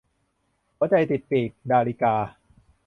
หัวใจติดปีก - ดาริกา